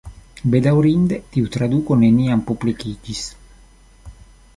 Bedaŭrinde tiu traduko neniam publikiĝis.